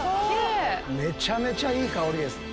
めちゃめちゃいい香りです。